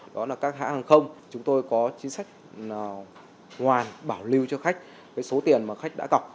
đó là các hãng hàng không chúng tôi có chính sách hoàn bảo lưu cho khách số tiền mà khách đã tọc